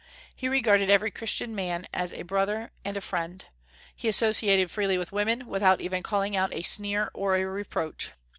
He regarded every Christian man as a brother and a friend. He associated freely with women, without even calling out a sneer or a reproach.